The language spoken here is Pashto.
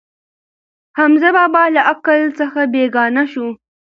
حمزه بابا له عقل څخه بېګانه شو.